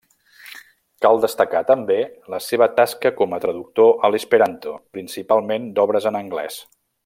Cal destacar, també, la seva tasca com a traductor a l'esperanto, principalment d'obres en anglès.